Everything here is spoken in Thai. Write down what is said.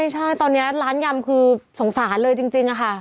ใช่ตอนนี้ร้านยำคือสงสารเลยจริงค่ะ